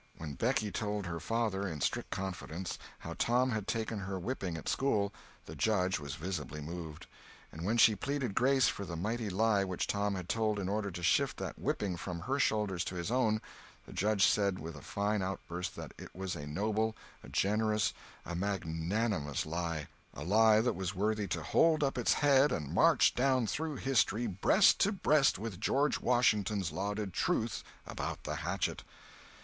When Becky told her father, in strict confidence, how Tom had taken her whipping at school, the Judge was visibly moved; and when she pleaded grace for the mighty lie which Tom had told in order to shift that whipping from her shoulders to his own, the Judge said with a fine outburst that it was a noble, a generous, a magnanimous lie—a lie that was worthy to hold up its head and march down through history breast to breast with George Washington's lauded Truth about the hatchet!